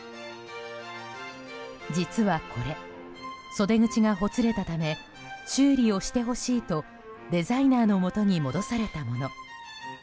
実はこれ、袖口がほつれたため修理をしてほしいとデザイナーのもとに戻されたもの。